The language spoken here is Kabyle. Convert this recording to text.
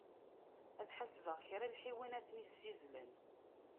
Ad ḥasbeɣ kra n lḥiwan ara ten-issizzlen.